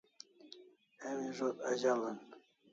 Emi zo't azalan